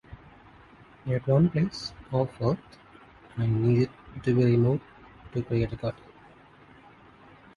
At one place, of earth and needed to be removed to create a cutting.